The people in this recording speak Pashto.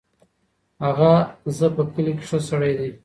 هغه ز په کلي کې ښه سړی دی.